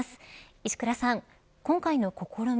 石倉さん、今回の試み